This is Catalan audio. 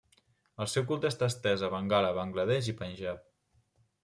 El seu culte està estès a Bengala, Bangla Desh i Panjab.